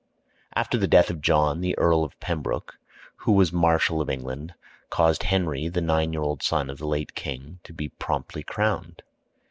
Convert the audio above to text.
After the death of John, the Earl of Pembroke, who was Marshal of England, caused Henry, the nine year old son of the late king, to be promptly crowned.